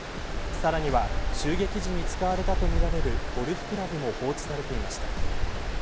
さらには、襲撃時に使われたとみられるゴルフクラブも放置されていました。